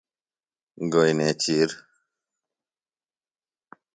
گوئیۡ نیچِیر